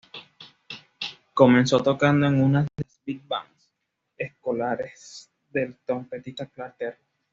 Comenzó tocando en una de las "big bands" escolares del trompetista Clark Terry.